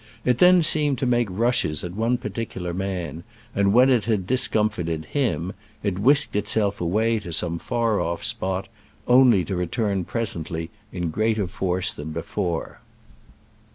It then seemed to make rushes at one particular man, and when it had discomfited him, it whisked itself away to some far off spot, only to return presently in greater force than before.